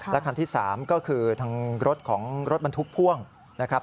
และคันที่๓ก็คือรถมันทุกพ่วงนะครับ